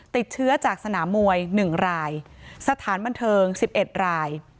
ติดเชื้อจากสนามมวย๑รายสถานบันเทิง๑๑ราย